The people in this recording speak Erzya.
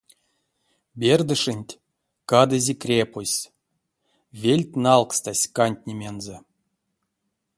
Бердышенть кадызе крепостьс, вельть налкстась кандтнемензэ.